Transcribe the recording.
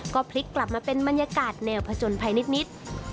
ก็พลิกกลับมาเป็นบรรยากาศแนวผจญภัยนิด